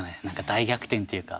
大逆転っていうか。